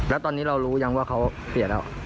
แล้วตอนนี้เรารู้ยังว่าเขาเสียแล้ว